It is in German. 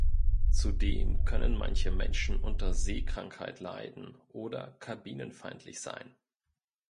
Zudem können manche Menschen unter Seekrankheit leiden oder kabinenfeindlich sein.